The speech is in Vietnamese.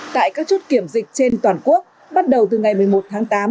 tại các chốt kiểm dịch trên toàn quốc bắt đầu từ ngày một mươi một tháng tám